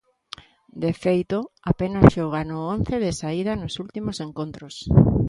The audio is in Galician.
De feito, apenas xoga no once de saída nos últimos encontros.